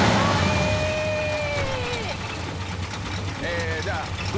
えじゃあ。